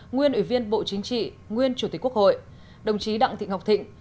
nguyên ủy viên bộ chính trị nguyên chủ tịch quốc hội đồng chí đặng thị ngọc thịnh